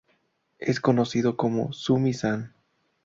Es conocido como Sumi-san.